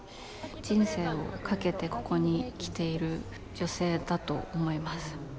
人生をかけてここに来ている女性だと思います。